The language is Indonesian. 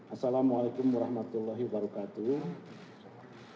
assalamu'alaikum warahmatullahi wabarakatuh